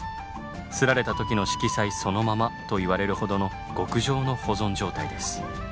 摺られた時の色彩そのままといわれるほどの極上の保存状態です。